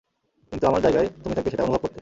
কিন্তু আমার জায়গায় তুমি থাকলে সেটা অনুভব করতে।